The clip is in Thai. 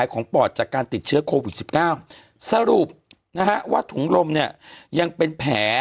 คือคือคือคือคือคือ